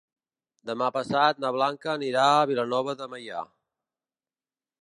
Demà passat na Blanca anirà a Vilanova de Meià.